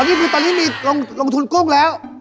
นี่คือตอนนี้มีลงทุนกุ้งแล้ว